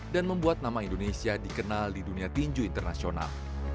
dan membuat nama indonesia dikenal di dunia tinju internasional